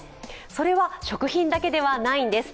それは食品だけではないんです。